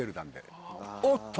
おっと！